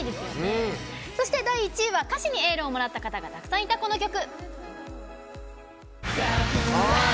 そして、第１位は歌詞にエールをもらった方がたくさんいた、この曲。